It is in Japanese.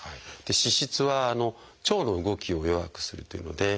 脂質は腸の動きを弱くするというので。